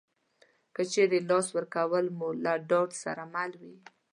که چېرې لاس ورکول مو له ډاډ سره مل وي